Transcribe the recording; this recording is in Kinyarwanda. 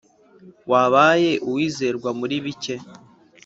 Wabaye uwizerwa muri bike